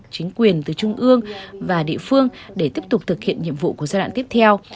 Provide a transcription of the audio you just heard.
chính quyền từ trung ương và địa phương để tiếp tục thực hiện nhiệm vụ của giai đoạn tiếp theo